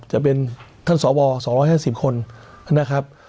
จะเป็นท่านสว๒๕๐คนนะครับ